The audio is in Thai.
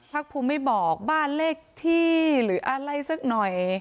พักภูมิไม่บอกบ้านเลขที่หรืออะไรสักหน่อย